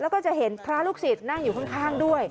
แล้วก็จะเห็นพระลูกศิษย์นั่งอยู่ข้างด้วย